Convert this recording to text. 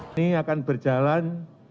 ini akan berjalan